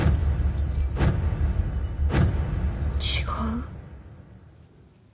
違う。